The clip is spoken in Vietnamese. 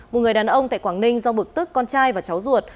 một người đàn ông tại quảng ninh do bực tức con trai và cháu ruột